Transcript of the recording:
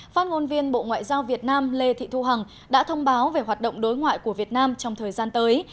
phát ngôn viên bộ ngoại giao việt nam lê thị thu hằng đã thông báo về hoạt động đối ngoại của việt nam trong thời gian tới